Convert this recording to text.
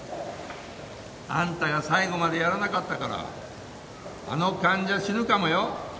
あんたが最後までやらなかったからあの患者死ぬかもよ。